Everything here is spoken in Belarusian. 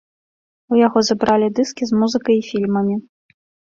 У яго забралі дыскі з музыкай і фільмамі.